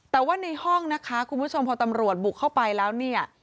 แต่ว่าในห้องนะคะคุณผู้ชมพอตำรวจบุกเข้าไปแล้วเนี่ย